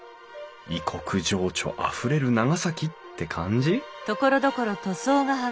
異国情緒あふれる長崎って感じ？